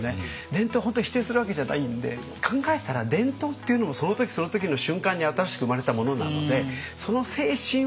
伝統本当に否定するわけじゃないんで考えたら伝統っていうのもその時その時の瞬間に新しく生まれたものなのでその精神は大切に。